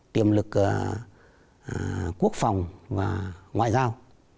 tiềm lực quốc phòng và ngoại giao